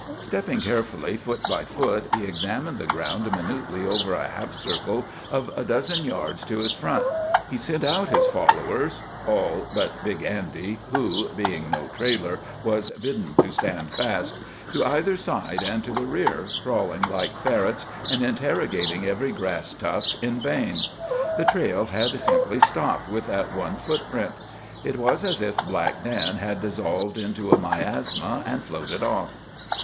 Stepping carefully, foot by foot, he examined the ground minutely over a half circle of a dozen yards to his front. He sent out his followers—all but Big Andy, who, being no trailer, was bidden to stand fast—to either side and to the rear, crawling like ferrets and interrogating every grass tuft, in vain. The trail had simply stopped with that one footprint. It was as if Black Dan had dissolved into a miasma, and floated off.